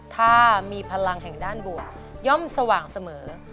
ถ้ามีพลังแห่งด้านบวกย่อมสว่างเสมอ